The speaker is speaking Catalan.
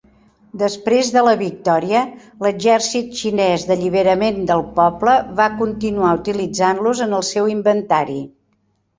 Després de la victòria, l'exèrcit xinès d'alliberament del poble va continuar utilitzant-los en el seu inventari.